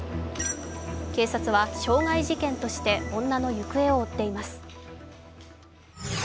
警察は傷害事件として女の行方を追っています。